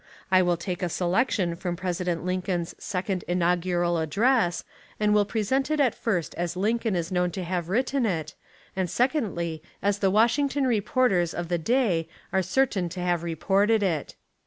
I will take a selection from President Lincoln's Second Inaugural Address and will present It first as Lincoln Is known to have written It, and secondly as the Washington reporters of the day are certain to have reported It.